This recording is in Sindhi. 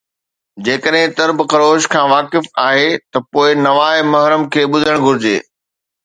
جيڪڏهن ترب خروش کان واقف آهي ته پوءِ نواءِ محرم کي ٻڌڻ گهرجي